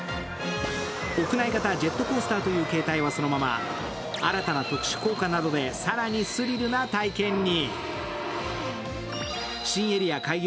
屋内型ジェットコースターという形態はそのまま新たな特殊効果などで更にスリルな体験に。